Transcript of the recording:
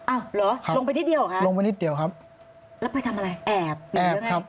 อ้าวเหรอลงไปนิดเดียวหรือครับลงไปนิดเดียวครับแล้วไปทำอะไรแอบหรืออย่างไร